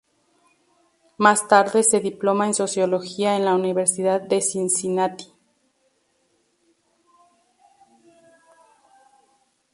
Más tarde se diploma en sociología en la Universidad de Cincinnati.